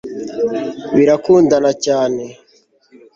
birakundana cyane